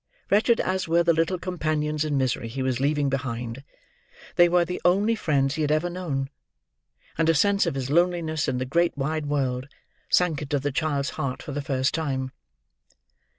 Wretched as were the little companions in misery he was leaving behind, they were the only friends he had ever known; and a sense of his loneliness in the great wide world, sank into the child's heart for the first time.